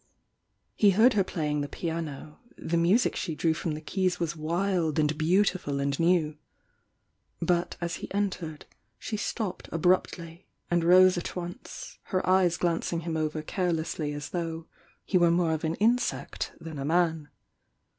He heard her playing the piano, — the music she drew from Uie keys was wild and beautiful and new, — but as he entered, she stopped abruptly and rose at once, her eyes glancing him over c«elessly as THE YOUNG DIANA 271 thou^ he were more of an insect than a man.